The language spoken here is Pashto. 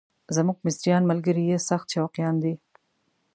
زموږ مصریان ملګري یې سخت شوقیان دي.